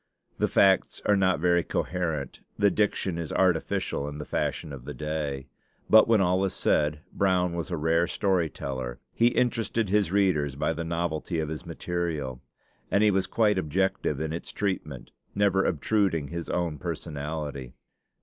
The facts are not very coherent, the diction is artificial in the fashion of the day. But when all is said, Brown was a rare story teller; he interested his readers by the novelty of his material, and he was quite objective in its treatment, never obtruding his own personality.